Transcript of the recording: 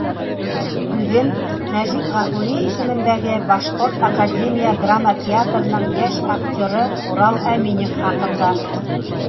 Һүҙем — Мәжит Ғафури исемендәге Башҡорт академия драма театрының йәш актеры Урал Әминев хаҡында.